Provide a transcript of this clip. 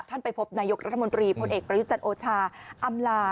ไปพบนายกรัฐมนตรีพลเอกประยุจันทร์โอชาอำลา